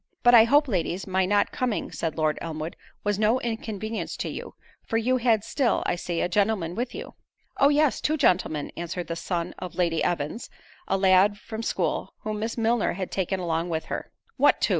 "But I hope, ladies, my not coming," said Lord Elmwood, "was no inconvenience to you; for you had still, I see, a gentleman with you." "Oh! yes, two gentlemen:" answered the son of Lady Evans, a lad from school, whom Miss Milner had taken along with her. "What two?"